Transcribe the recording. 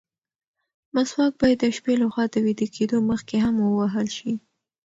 مسواک باید د شپې له خوا د ویده کېدو مخکې هم ووهل شي.